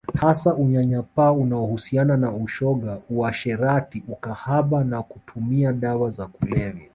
Hasa unyanyapaa unaohusiana na ushoga uasherati ukahaba na kutumia dawa za kulevya